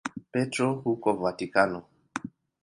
Petro huko Vatikano.